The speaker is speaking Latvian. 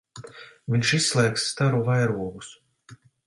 Viņš izslēgs staru vairogus.